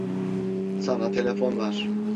Sana telefon var.